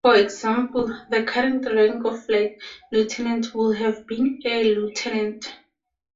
For example, the current rank of flight lieutenant would have been "air lieutenant".